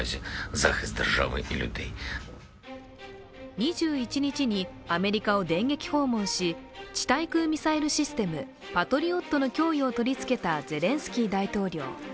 ２１日にアメリカを電撃訪問し、地対空ミサイルシステム、パトリオットの供与を取りつけたゼレンスキー大統領。